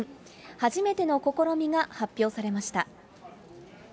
初めての試みが発表されました。